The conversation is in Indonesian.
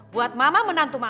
buat mama menantu mama